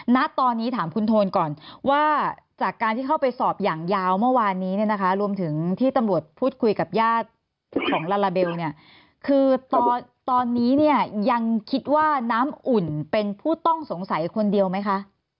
ณตอนนี้ถามคุณโทนก่อนว่าจากการที่เข้าไปสอบอย่างยาวเมื่อวานนี้เนี่ยนะคะรวมถึงที่ตำรวจพูดคุยกับญาติของลาลาเบลเนี่ยคือตอนนี้เนี่ยยังคิดว่าน้ำอุ่นเป็นผู้ต้องสงสัยคนเดียวไหมคะ